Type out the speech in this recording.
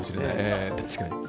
確かに。